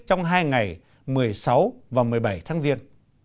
trong hai ngày một mươi sáu và một mươi bảy tháng giêng